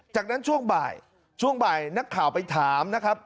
จากนั้นช่วงบ่ายช่วงบ่ายนักข่าวไปถามนะครับ